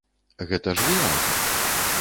Гэта ж вы аўтар?